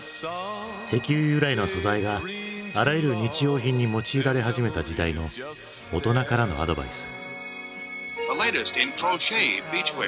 石油由来の素材があらゆる日用品に用いられ始めた時代の大人からのアドバイス。